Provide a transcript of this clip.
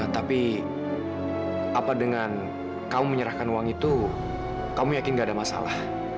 tapi apa dengan kamu menyerahkan uang itu kamu yakin gak ada masalah